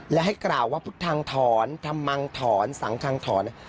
และให้กราวว่าทางถอนทำมังถอนสั่งทางถอน